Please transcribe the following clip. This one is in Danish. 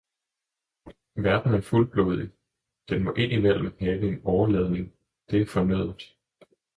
Verden er fuldblodig, den må imellem have en åreladning, det er fornødent!